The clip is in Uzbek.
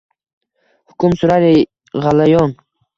Hukm surar g’alayon.